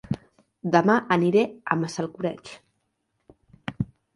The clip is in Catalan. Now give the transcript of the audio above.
Dema aniré a Massalcoreig